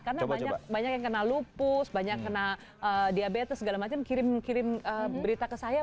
karena banyak yang kena lupus banyak kena diabetes segala macam kirim berita ke saya